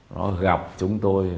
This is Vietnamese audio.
nó gặp chúng tôi